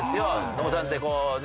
野茂さんってこうね